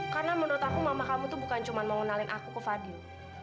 karena menurut aku mama kamu tuh bukan cuma mau ngenalin aku ke fadil